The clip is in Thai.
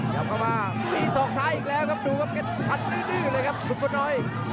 กลับเข้ามามีสองท้ายอีกแล้วครับดูครับทันดื้อเลยครับทุกคนน้อย